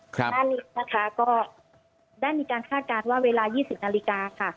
หน้าเล็กนะคะก็ได้มีการคาดการณ์ว่าเวลา๒๐นาฬิกาค่ะ